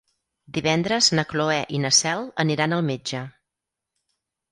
Divendres na Cloè i na Cel aniran al metge.